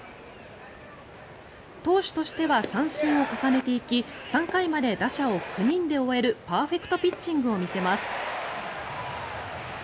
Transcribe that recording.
投手としては三振を重ねていき３回まで、打者を９人で終えるパーフェクトピッチングを見せます。